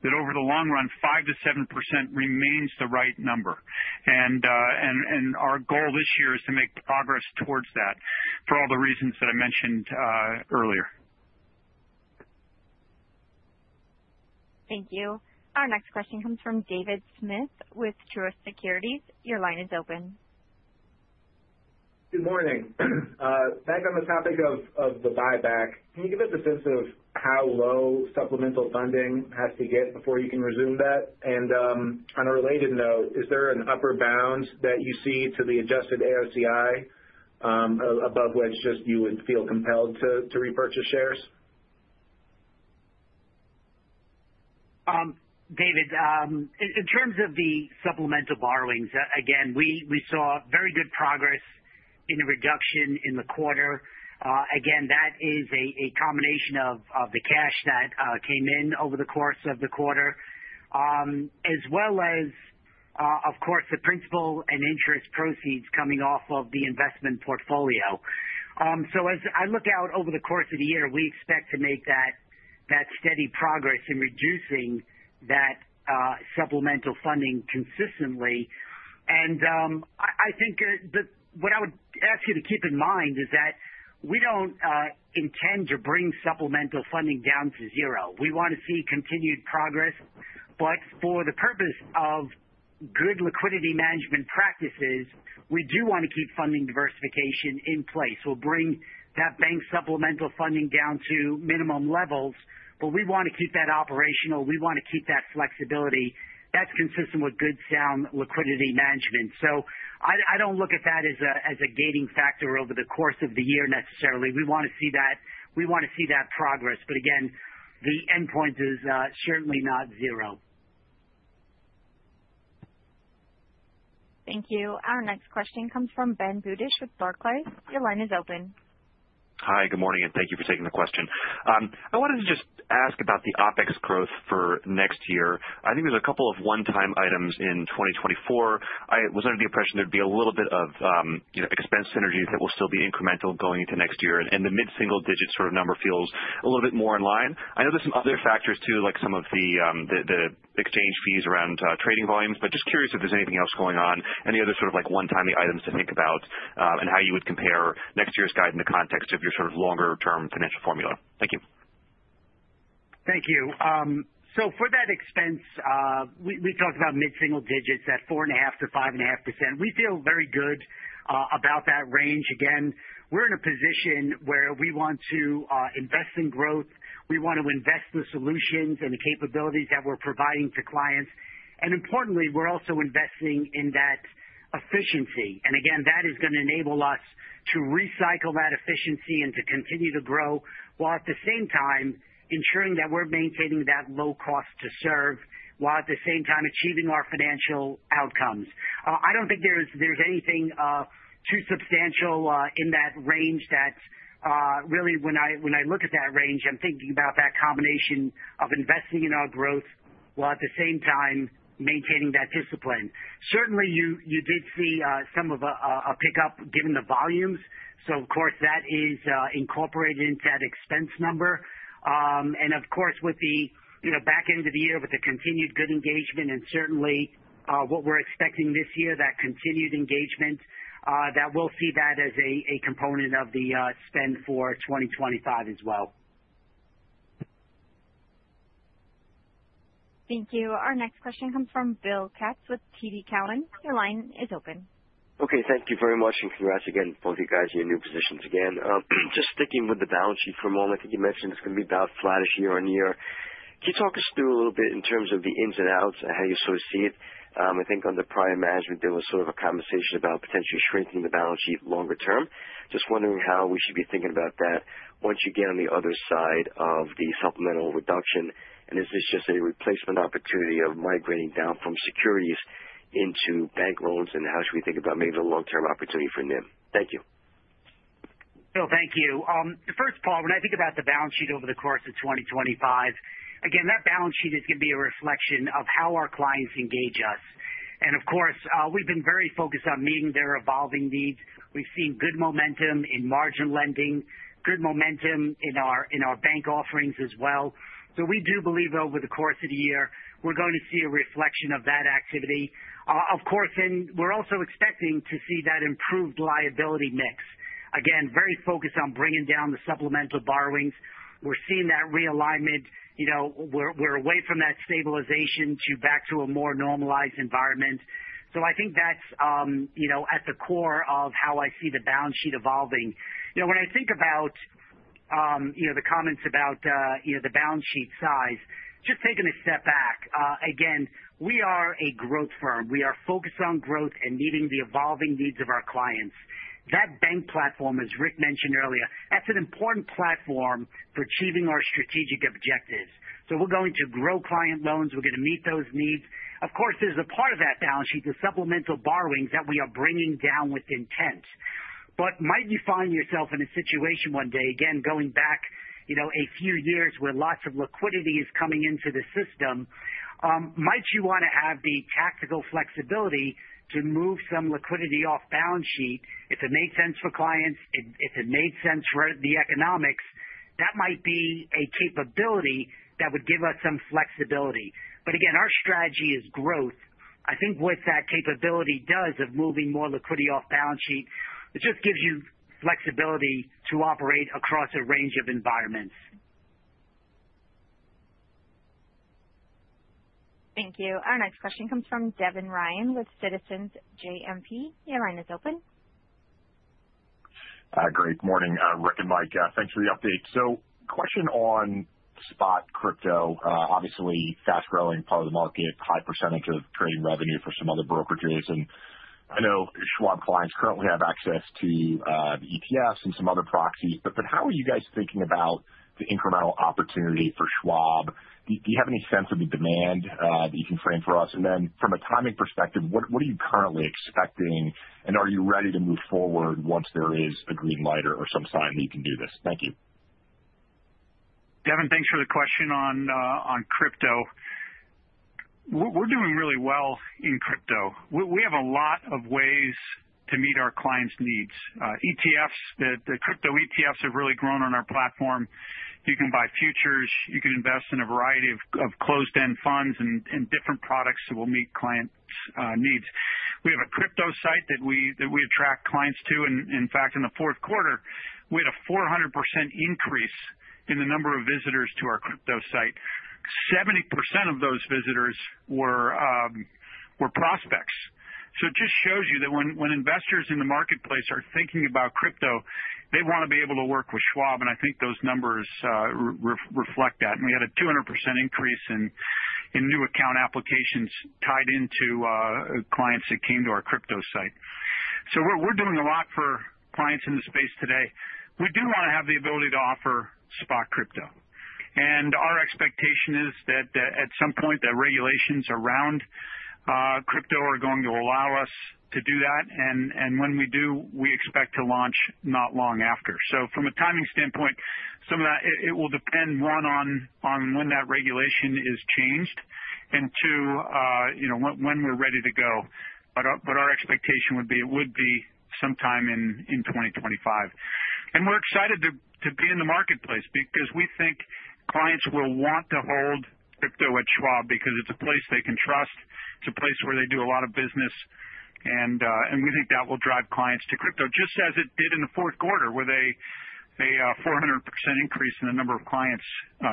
that over the long run, 5%-7% remains the right number. And our goal this year is to make progress towards that for all the reasons that I mentioned earlier. Thank you. Our next question comes from David Smith with Truist Securities. Your line is open. Good morning. Back on the topic of the buyback, can you give us a sense of how low supplemental funding has to get before you can resume that? And on a related note, is there an upper bound that you see to the adjusted AOCI above which just you would feel compelled to repurchase shares? David, in terms of the supplemental borrowings, again, we saw very good progress in the reduction in the quarter. Again, that is a combination of the cash that came in over the course of the quarter, as well as, of course, the principal and interest proceeds coming off of the investment portfolio. So as I look out over the course of the year, we expect to make that steady progress in reducing that supplemental funding consistently. And I think what I would ask you to keep in mind is that we don't intend to bring supplemental funding down to zero. We want to see continued progress. But for the purpose of good liquidity management practices, we do want to keep funding diversification in place. We'll bring that bank supplemental funding down to minimum levels, but we want to keep that operational. We want to keep that flexibility. That's consistent with good, sound liquidity management. So I don't look at that as a gating factor over the course of the year necessarily. We want to see that. We want to see that progress. But again, the endpoint is certainly not zero. Thank you. Our next question comes from Ben Budish with Barclays. Your line is open. Hi, good morning, and thank you for taking the question. I wanted to just ask about the OpEx growth for next year. I think there's a couple of one-time items in 2024. I was under the impression there'd be a little bit of expense synergies that will still be incremental going into next year, and the mid-single-digit sort of number feels a little bit more in line. I know there's some other factors too, like some of the exchange fees around trading volumes, but just curious if there's anything else going on, any other sort of one-time items to think about and how you would compare next year's guide in the context of your sort of longer-term financial formula. Thank you. Thank you. So for that expense, we talked about mid-single digits at 4.5%-5.5%. We feel very good about that range. Again, we're in a position where we want to invest in growth. We want to invest in the solutions and the capabilities that we're providing to clients. And importantly, we're also investing in that efficiency. Again, that is going to enable us to recycle that efficiency and to continue to grow while at the same time ensuring that we're maintaining that low cost to serve while at the same time achieving our financial outcomes. I don't think there's anything too substantial in that range that really, when I look at that range, I'm thinking about that combination of investing in our growth while at the same time maintaining that discipline. Certainly, you did see some of a pickup given the volumes. So of course, that is incorporated into that expense number. And of course, with the back end of the year with the continued good engagement and certainly what we're expecting this year, that continued engagement, that we'll see that as a component of the spend for 2025 as well. Thank you. Our next question comes from Bill Katz with TD Cowen. Your line is open. Okay. Thank you very much, and congrats again for both of you guys in your new positions again. Just sticking with the balance sheet for a moment, I think you mentioned it's going to be about flat this year on year. Can you talk us through a little bit in terms of the ins and outs and how you sort of see it? I think on the prior management, there was sort of a conversation about potentially shrinking the balance sheet longer term. Just wondering how we should be thinking about that once you get on the other side of the supplemental reduction, and is this just a replacement opportunity of migrating down from securities into bank loans, and how should we think about maybe the long-term opportunity for NIM? Thank you. Thank you. First of all, when I think about the balance sheet over the course of 2025, again, that balance sheet is going to be a reflection of how our clients engage us, and of course, we've been very focused on meeting their evolving needs. We've seen good momentum in margin lending, good momentum in our bank offerings as well, so we do believe over the course of the year, we're going to see a reflection of that activity. Of course, and we're also expecting to see that improved liability mix. Again, very focused on bringing down the supplemental borrowings. We're seeing that realignment. We're away from that stabilization to back to a more normalized environment, so I think that's at the core of how I see the balance sheet evolving. When I think about the comments about the balance sheet size, just taking a step back, again, we are a growth firm. We are focused on growth and meeting the evolving needs of our clients. That bank platform, as Rick mentioned earlier, that's an important platform for achieving our strategic objectives. So we're going to grow client loans. We're going to meet those needs. Of course, there's a part of that balance sheet, the supplemental borrowings that we are bringing down with intent. But might you find yourself in a situation one day, again, going back a few years where lots of liquidity is coming into the system, might you want to have the tactical flexibility to move some liquidity off balance sheet? If it made sense for clients, if it made sense for the economics, that might be a capability that would give us some flexibility. But again, our strategy is growth. I think what that capability does of moving more liquidity off balance sheet, it just gives you flexibility to operate across a range of environments. Thank you. Our next question comes from Devin Ryan with Citizens JMP. Your line is open. Great. Morning, Rick and Mike. Thanks for the update. So question on spot crypto, obviously fast-growing part of the market, high percentage of trading revenue for some other brokerages. And I know Schwab clients currently have access to ETFs and some other proxies. But how are you guys thinking about the incremental opportunity for Schwab? Do you have any sense of the demand that you can frame for us? And then from a timing perspective, what are you currently expecting, and are you ready to move forward once there is a green light or some sign that you can do this? Thank you. Devin, thanks for the question on crypto. We're doing really well in crypto. We have a lot of ways to meet our clients' needs. ETFs, the crypto ETFs have really grown on our platform. You can buy futures. You can invest in a variety of closed-end funds and different products that will meet clients' needs. We have a crypto site that we attract clients to. And in fact, in the fourth quarter, we had a 400% increase in the number of visitors to our crypto site. 70% of those visitors were prospects. So it just shows you that when investors in the marketplace are thinking about crypto, they want to be able to work with Schwab, and I think those numbers reflect that. And we had a 200% increase in new account applications tied into clients that came to our crypto site. So we're doing a lot for clients in the space today. We do want to have the ability to offer spot crypto. And our expectation is that at some point, the regulations around crypto are going to allow us to do that. And when we do, we expect to launch not long after. So from a timing standpoint, some of that, it will depend, one, on when that regulation is changed, and two, when we're ready to go. But our expectation would be it would be sometime in 2025. And we're excited to be in the marketplace because we think clients will want to hold crypto at Schwab because it's a place they can trust. It's a place where they do a lot of business, and we think that will drive clients to crypto, just as it did in the fourth quarter, where they made a 400% increase in the number of clients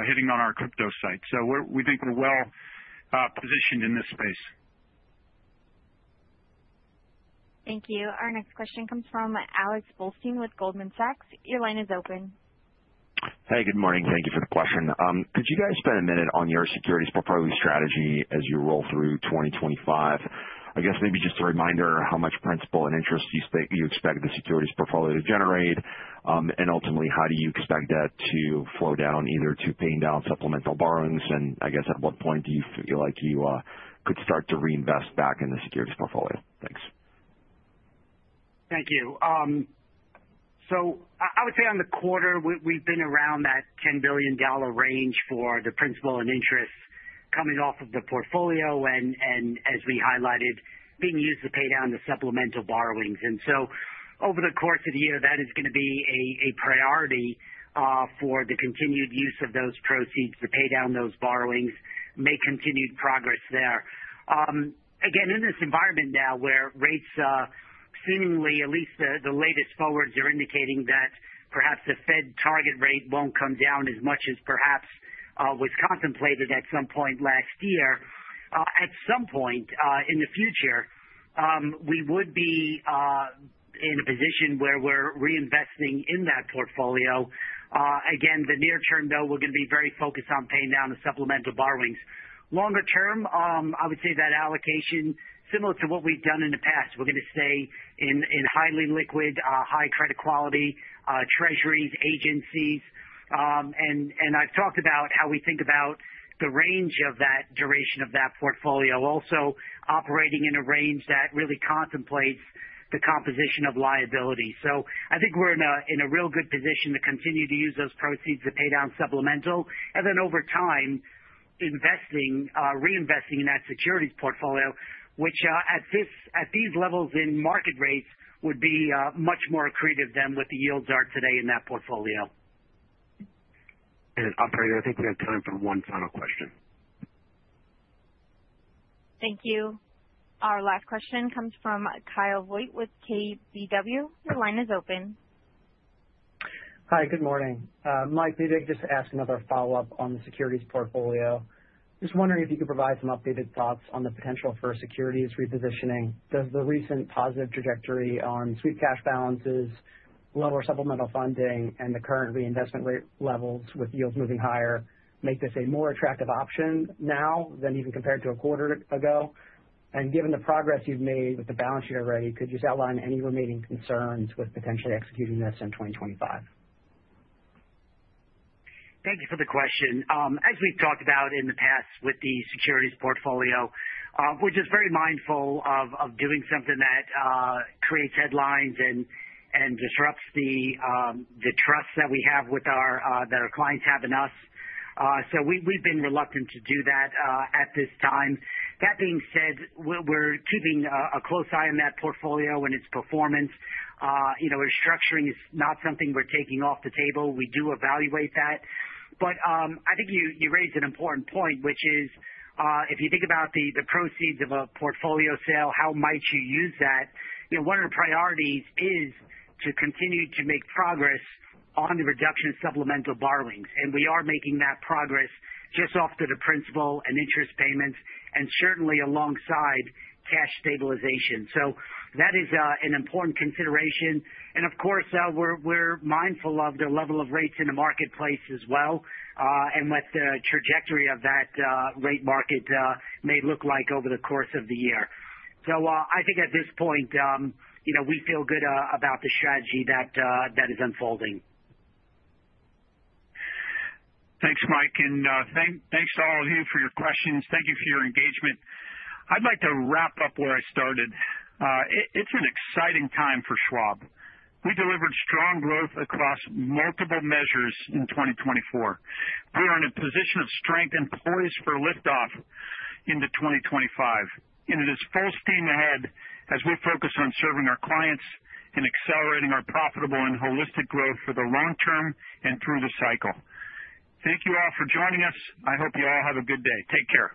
hitting on our crypto site. So we think we're well positioned in this space. Thank you. Our next question comes from Alex Blostein with Goldman Sachs. Your line is open. Hey, good morning. Thank you for the question. Could you guys spend a minute on your securities portfolio strategy as you roll through 2025? I guess maybe just a reminder of how much principal and interest you expect the securities portfolio to generate. And ultimately, how do you expect that to flow down either to paying down supplemental borrowings? And I guess at what point do you feel like you could start to reinvest back in the securities portfolio? Thanks. Thank you. So I would say on the quarter, we've been around that $10 billion range for the principal and interest coming off of the portfolio and, as we highlighted, being used to pay down the supplemental borrowings. And so over the course of the year, that is going to be a priority for the continued use of those proceeds to pay down those borrowings. Make continued progress there. Again, in this environment now where rates seemingly, at least the latest forwards are indicating that perhaps the Fed target rate won't come down as much as perhaps was contemplated at some point last year, at some point in the future, we would be in a position where we're reinvesting in that portfolio. Again, the near term, though, we're going to be very focused on paying down the supplemental borrowings. Longer term, I would say that allocation, similar to what we've done in the past, we're going to stay in highly liquid, high credit quality Treasuries, Agencies, and I've talked about how we think about the range of that duration of that portfolio, also operating in a range that really contemplates the composition of liability, so I think we're in a real good position to continue to use those proceeds to pay down supplemental and then over time investing, reinvesting in that securities portfolio, which at these levels in market rates would be much more accretive than what the yields are today in that portfolio. Operator, I think we have time for one final question. Thank you. Our last question comes from Kyle Voigt with KBW. Your line is open. Hi, good morning. Mike, maybe I can just ask another follow-up on the securities portfolio. Just wondering if you could provide some updated thoughts on the potential for securities repositioning. Does the recent positive trajectory on sweep cash balances, lower supplemental funding, and the current reinvestment rate levels with yields moving higher make this a more attractive option now than even compared to a quarter ago? And given the progress you've made with the balance sheet already, could you outline any remaining concerns with potentially executing this in 2025? Thank you for the question. As we've talked about in the past with the securities portfolio, we're just very mindful of doing something that creates headlines and disrupts the trust that our clients have in us. So we've been reluctant to do that at this time. That being said, we're keeping a close eye on that portfolio and its performance. Restructuring is not something we're taking off the table. We do evaluate that. But I think you raised an important point, which is if you think about the proceeds of a portfolio sale, how might you use that? One of the priorities is to continue to make progress on the reduction of supplemental borrowings. And we are making that progress just off to the principal and interest payments and certainly alongside cash stabilization. So that is an important consideration. And of course, we're mindful of the level of rates in the marketplace as well and what the trajectory of that rate market may look like over the course of the year. So I think at this point, we feel good about the strategy that is unfolding. Thanks, Mike. And thanks to all of you for your questions. Thank you for your engagement. I'd like to wrap up where I started. It's an exciting time for Schwab.We delivered strong growth across multiple measures in 2024. We are in a position of strength and poised for liftoff into 2025. And it is full steam ahead as we focus on serving our clients and accelerating our profitable and holistic growth for the long term and through the cycle. Thank you all for joining us. I hope you all have a good day. Take care.